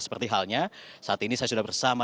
seperti halnya saat ini saya sudah bersama